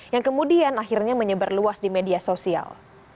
yang kemudian akhirnya menyebar luas di media sosial